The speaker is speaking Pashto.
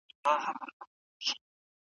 په خپلو ټولو ورځنيو کارونو کي امانتداري کوه.